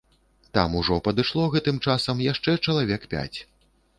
Там ужо падышло гэтым часам яшчэ чалавек пяць.